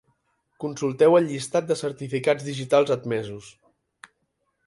Consulteu el llistat de certificats digitals admesos.